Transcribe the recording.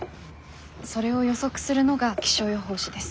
それを予測するのが気象予報士です。